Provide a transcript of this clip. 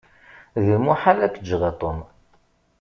D lmuḥal ad k-ǧǧeɣ a Tom.